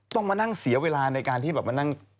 ต้องมานั่งเสียเวลาในการที่แบบมานั่ง